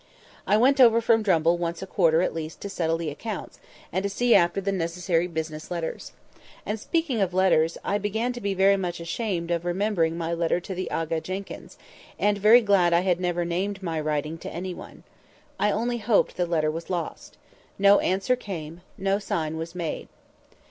I went over from Drumble once a quarter at least to settle the accounts, and see after the necessary business letters. And, speaking of letters, I began to be very much ashamed of remembering my letter to the Aga Jenkyns, and very glad I had never named my writing to any one. I only hoped the letter was lost. No answer came. No sign was made.